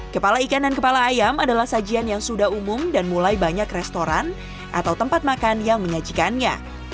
kepala ikan dan kepala ayam adalah sajian yang sudah umum dan mulai banyak restoran atau tempat makan yang menyajikannya